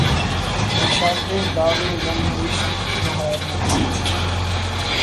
نشاطِ داغِ غمِ عشق کی بہار نہ پُوچھ